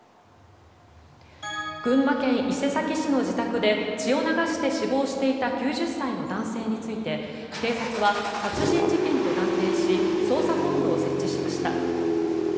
群馬県伊勢崎市の自宅で血を流して死亡していた９０歳の男性について警察は殺人事件と断定し捜査本部を設置しました。